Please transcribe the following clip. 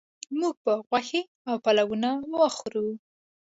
موږ به غوښې او پلونه وخورو